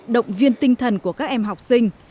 động viên tinh thần của các em học sinh